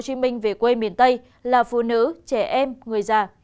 đa phần người từ tp hcm về quê miền tây là phụ nữ trẻ em người già